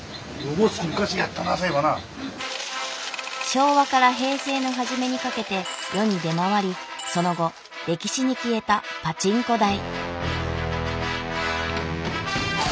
昭和から平成の初めにかけて世に出回りその後歴史に消えたパチンコ台。